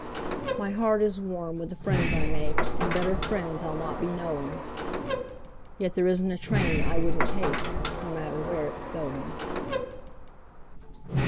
My heart is warm with the friends I make, And better friends I'll not be knowing; Yet there isn't a train I wouldn't take, No matter where it's going.